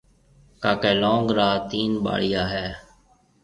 ڪاڪيَ لونگ را تين ٻاݪيا هيَ۔